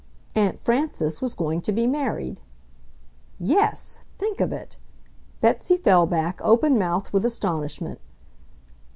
Aunt Frances was going to be married! Yes! Think of it! Betsy fell back open mouthed with astonishment.